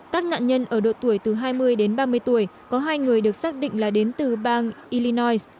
các nạn nhân ở độ tuổi từ hai mươi đến ba mươi tuổi có hai người được xác định là đến từ bang illinois